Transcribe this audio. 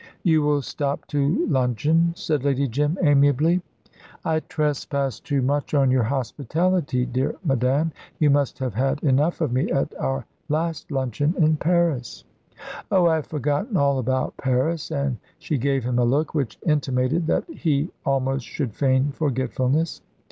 "You will stop to luncheon," said Lady Jim, amiably. "I trespass too much on your hospitality, dear madame. You must have had enough of me at our last luncheon in Paris." "Oh, I have forgotten all about Paris"; and she gave him a look which intimated that he also should feign forgetfulness.